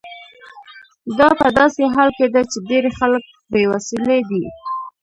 دا په داسې حال کې ده چې ډیری خلک بې وسیلې دي.